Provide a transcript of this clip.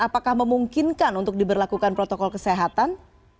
apakah memungkinkan untuk diberlakukan protokol kesehatan